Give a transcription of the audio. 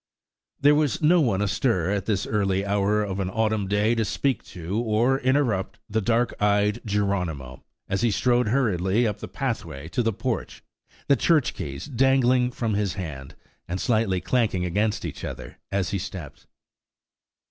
There was no one astir at this early hour of an autumn day to speak to or interrupt the dark eyed Geronimo, as he strode hurriedly up the pathway to the porch, the church keys dangling from his hand, and slightly clanking against each other as he stepped.